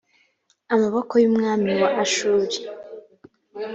amaboko y umwami wa ashuri